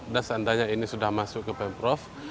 dan seandainya ini sudah masuk ke pemprov